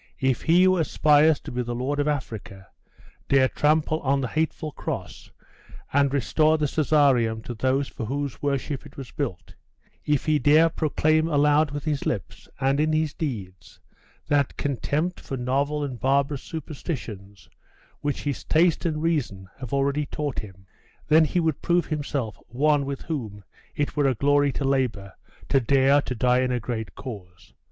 If he who aspires to be the lord of Africa dare trample on the hateful cross, and restore the Caesareum to those for whose worship it was built if he dare proclaim aloud with his lips, and in his deeds, that contempt for novel and barbarous superstitions, which his taste and reason have already taught him, then he would prove himself one with whom it were a glory to labour, to dare, to die in a great cause.